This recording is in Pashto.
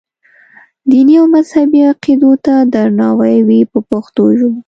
دیني او مذهبي عقیدو ته درناوی وي په پښتو ژبه.